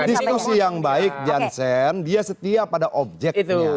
diskusi yang baik jansen dia setia pada objeknya